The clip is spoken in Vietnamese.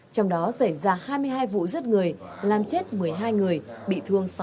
trong đó xảy ra hai mươi hai vụ giết người làm chết một mươi hai người